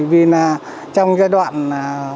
vì trong giai đoạn